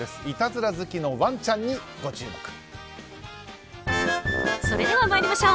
いたずら好きのワンちゃんにご注目。